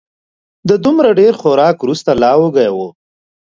د دومره ډېر خوراک وروسته لا وږی و